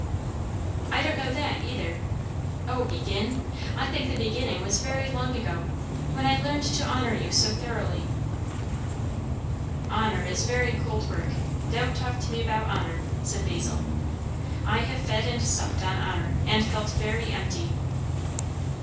"I don't know that either. O, begin? I think the beginning was very long ago, when I learned to honour you so thoroughly." "Honour is very cold work; don't talk to me about honour," said Basil. "I have fed and supped on honour, and felt very empty!"